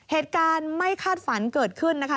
เหตุการณ์ไม่คาดฝันเกิดขึ้นนะคะ